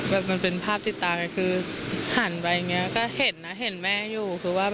มันเป็นภาพติดตามันคือหันไปก็เห็นนะเห็นแม่อยู่